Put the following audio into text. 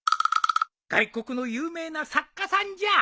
外国の有名な作家さんじゃ。